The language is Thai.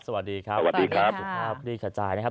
สวัสดีครับ